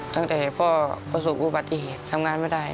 ตั้งแต่พ่อประสบอุบัติเหตุทำงานไม่ได้